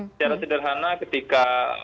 secara sederhana ketika